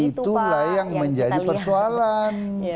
itulah yang menjadi persoalan